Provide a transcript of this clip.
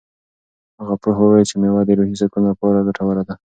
هغه پوه وویل چې مېوه د روحي سکون لپاره ګټوره ده.